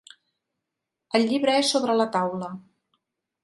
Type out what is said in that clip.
El llibre és sobre la taula.